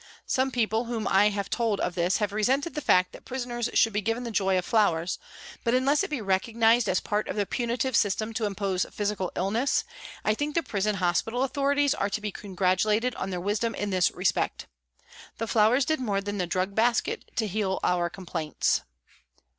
Some people whom I SOME TYPES OF PRISONERS 131 told of this have resented the fact that prisoners should be given the joy of flowers, but unless it be recognised as part of the punitive system to impose physical illness, I think the prison hospital autho rities are to be congratulated on their wisdom in this respect ; the flowers did more than the drug basket to heal our complaints.